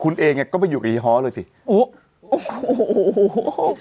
คุณเองก็ไปอยู่กับเฮียฮเลยสิโอ้โหโอวโอว